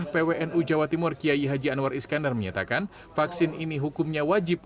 pwnu jawa timur kiai haji anwar iskandar menyatakan vaksin ini hukumnya wajib